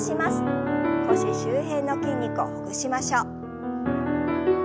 腰周辺の筋肉をほぐしましょう。